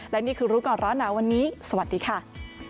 และนี่คือรู้ก่อนร้อนหนาวันนี้สวัสดีค่ะ